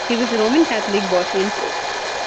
He was a Roman Catholic Bosnian Croat.